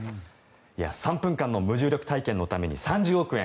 ３分間の無重力体験のために３０億円。